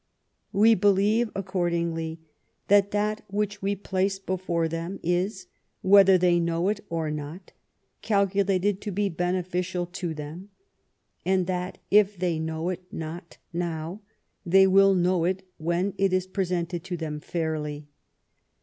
We believe accordingly that that which we place before them is, whether they know it or not, calculated to be beneficial to them, and that if they know it not now they will know it when it is presented to them fairly.